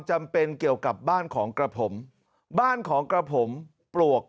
จำเป็นเกี่ยวกับบ้านของกระผมบ้านของกระผมปลวก